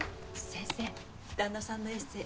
先生旦那さんのエッセイ